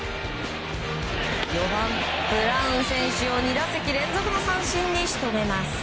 ４番、ブラウン選手を２打席連続の三振に仕留めます。